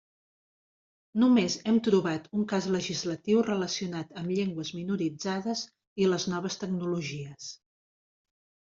Només hem trobat un cas legislatiu relacionat amb llengües minoritzades i les noves tecnologies.